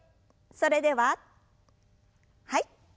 それでははい。